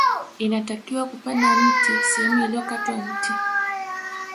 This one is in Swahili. Inatakiwa kupanda mti sehemu iliyokatwa mti